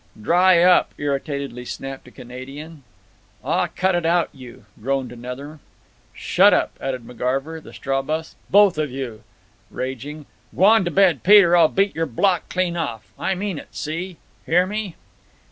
"Dry up!" irritatedly snapped a Canadian. "Aw, cut it out, you—," groaned another. "Shut up," added McGarver, the straw boss. "Both of you." Raging: "Gwan to bed, Pete, or I'll beat your block clean off. I mean it, see? _Hear me?